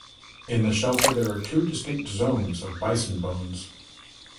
In the shelter, there are two distinct zones of bison bones.